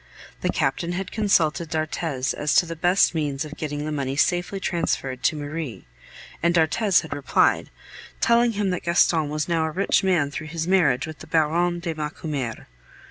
The Captain had consulted d'Arthez as to the best means of getting the money safely transferred to Marie, and d'Arthez had replied, telling him that Gaston was now a rich man through his marriage with the Baronne de Macumer.